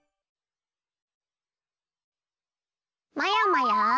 まやまや！